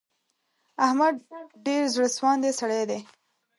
احمد ډېر زړه سواندی سړی دی.